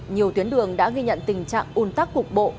nhiều tuyến đường đã ghi nhận tình trạng un tắc cục bộ